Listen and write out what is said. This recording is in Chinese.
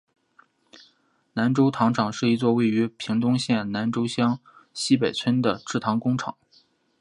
南州糖厂是一座位于屏东县南州乡溪北村的制糖工厂。